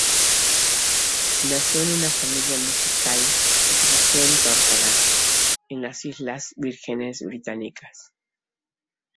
Nació en una familia musical y creció en Tórtola, en las Islas Vírgenes Británicas.